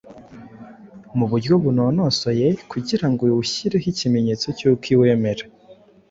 mu buryo bunonosoye kugira ngo iwushyireho ikimenyetso cy’uko iwemera.